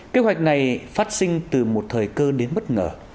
kế hoạch này phát sinh từ một thời cơ đến bất ngờ